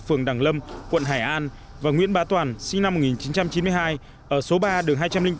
phường đảng lâm quận hải an và nguyễn bá toàn sinh năm một nghìn chín trăm chín mươi hai ở số ba đường hai trăm linh bốn